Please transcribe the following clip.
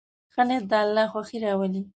ښه نیت د الله خوښي راولي.